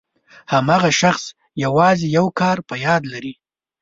هماغه شخص یوازې یو کار په یاد لري.